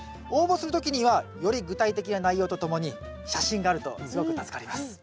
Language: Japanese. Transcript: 応募する時にはより具体的な内容とともに写真があるとすごく助かります。